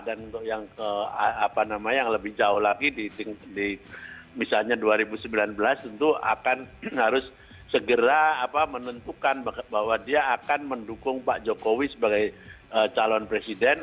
dan untuk yang lebih jauh lagi misalnya di dua ribu sembilan belas tentu akan harus segera menentukan bahwa dia akan mendukung pak jokowi sebagai calon presiden